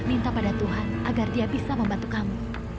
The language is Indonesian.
minta pada tuhan agar dia bisa membantu kamu